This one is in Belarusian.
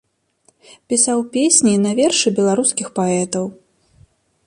Пісаў песні на вершы беларускіх паэтаў.